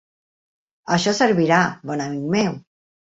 Això servirà, bon amic meu!